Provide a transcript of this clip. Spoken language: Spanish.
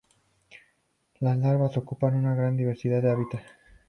Las larvas ocupan una gran diversidad de hábitats.